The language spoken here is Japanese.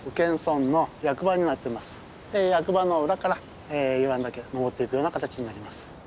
役場の裏から湯湾岳に登っていくような形になります。